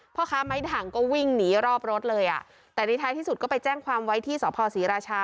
พ่อค้าไม้ด่างก็วิ่งหนีรอบรถเลยอ่ะแต่ในท้ายที่สุดก็ไปแจ้งความไว้ที่สภศรีราชา